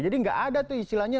jadi nggak ada tuh istilahnya